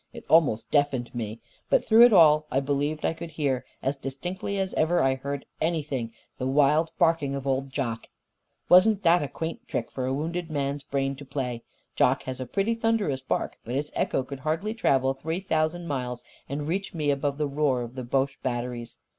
It almost deafened me. But through it all I believed I could hear as distinctly as ever I heard anything the wild barking of old Jock. "Wasn't that a quaint trick for a wounded man's brain to play? Jock has a pretty thunderous bark, but its echo could hardly travel three thousand miles and reach me above the roar of the boche batteries.